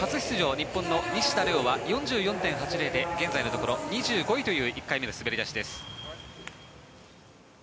日本の西田玲雄は４４．８０で現在のところ２５位という１回目の滑り出しです。